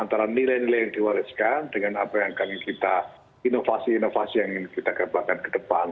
antara nilai nilai yang diwariskan dengan apa yang akan kita inovasi inovasi yang ingin kita kembangkan ke depan